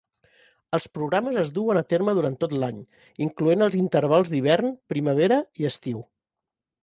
Els programes es duen a terme durant tot l'any, incloent els intervals d'hivern, primavera i estiu.